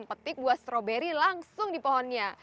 petik buah stroberi langsung di pohonnya